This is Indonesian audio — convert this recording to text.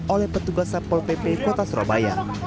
oleh petugas satpol pp kota surabaya